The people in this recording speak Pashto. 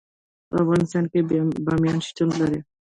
په افغانستان کې بامیان شتون لري.